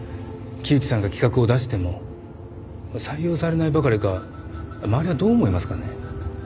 木内さんが企画を出しても採用されないばかりか周りはどう思いますかね？